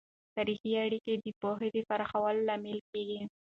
تاریخي اړیکه د پوهې د پراخولو لامل کیږي.